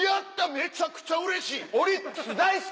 めちゃくちゃうれしい！